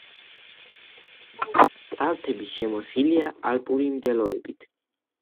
კალთები შემოსილია ალპური მდელოებით.